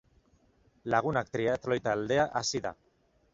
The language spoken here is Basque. Lagunak triatloi taldea hasi da.